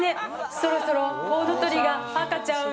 そろそろコウノトリが赤ちゃんを。